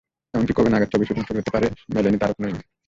এমনকি কবে নাগাদ ছবির শুটিং শুরু হতে পারে, মেলেনি তারও কোনো ইঙ্গিত।